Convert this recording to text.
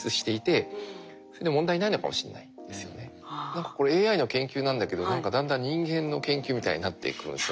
何かこれＡＩの研究なんだけど何かだんだん人間の研究みたいになっていくんですよね。